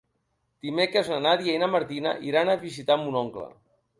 Dimecres na Nàdia i na Martina iran a visitar mon oncle.